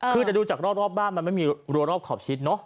คือแต่ดูจากรอบบ้านมันไม่มีรัวรอบขอบชิดเนอะ